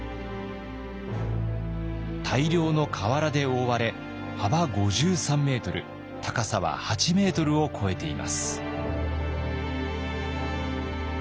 大量の瓦で覆われ幅５３ｍ高さは８ｍを超えています。